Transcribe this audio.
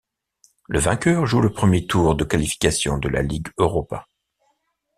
Le vainqueur joue le premier tour de qualification de la Ligue Europa.